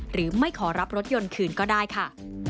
หรือไม่ขอรับรถยนต์คืนก็ได้ค่ะ